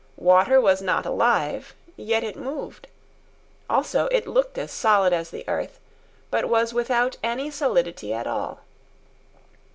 Water was not alive. Yet it moved. Also, it looked as solid as the earth, but was without any solidity at all.